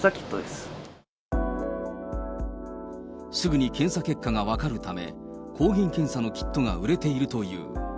すぐに検査結果が分かるため、抗原検査のキットが売れているという。